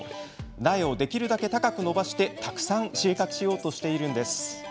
苗をできるだけ高く伸ばしてたくさん収穫しようとしているんです。